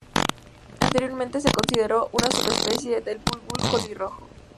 Anteriormente se consideró una subespecie del bulbul colirrojo.